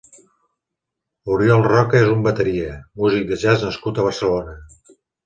Oriol Roca és un bateria, músic de jazz nascut a Barcelona.